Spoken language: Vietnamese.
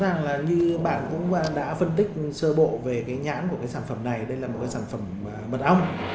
rõ ràng là như bạn cũng đã phân tích sơ bộ về cái nhãn của cái sản phẩm này đây là một cái sản phẩm bật ong